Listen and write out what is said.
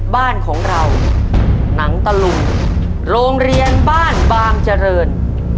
บ้านของเราหนังตะลุงโรงเรียนบ้านบางเจริญ